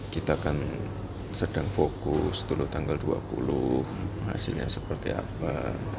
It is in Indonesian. kita kan sedang fokus dulu tanggal dua puluh hasilnya seperti apa